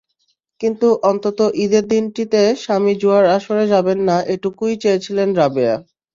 কিন্তু অন্তত ঈদের দিনটিতে স্বামী জুয়ার আসরে যাবেন না, এটুকুই চেয়েছিলেন রাবেয়া।